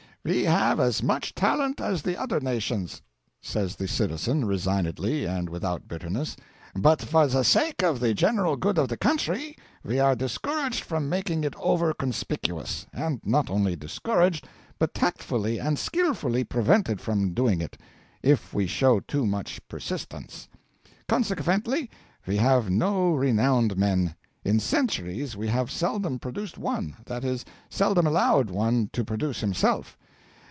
'We have as much talent as the other nations,' says the citizen, resignedly, and without bitterness, 'but for the sake of the general good of the country, we are discouraged from making it over conspicuous; and not only discouraged, but tactfully and skillfully prevented from doing it, if we show too much persistence. Consequently we have no renowned men; in centuries we have seldom produced one that is, seldom allowed one to produce himself.